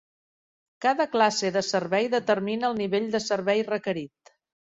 Cada classe de servei determina el nivell de servei requerit.